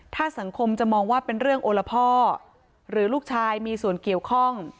ถ้าสังคมจะมองว่าเป็นเรื่องโอละพ่อหรือลูกชายมีส่วนเกี่ยวข้อง